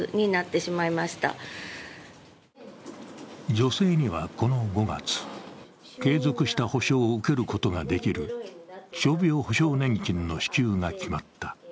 女性にはこの５月、継続した補償を受けることができる傷病補償年金の支給が決まった。